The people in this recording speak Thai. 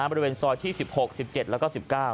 บริเวณซอยที่๑๖๑๗แล้วก็๑๙